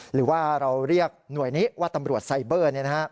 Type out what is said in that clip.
หรือว่าเราเรียกหน่วยนี้ว่าตำรวจไซเบอร์